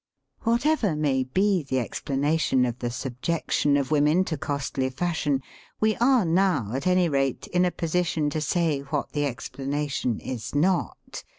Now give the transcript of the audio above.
Whatever may be the explanation of the sub jection of women to costly fashion, we are now, at any rate, in a position to say what the ex planation is not.